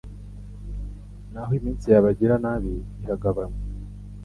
naho iminsi y’abagiranabi iragabanywa